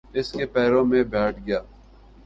اس کے پیروں میں بیٹھ گیا۔